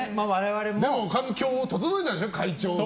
でも環境を整えたんでしょ会長が。